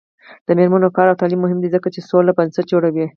د میرمنو کار او تعلیم مهم دی ځکه چې سولې بنسټ جوړوي.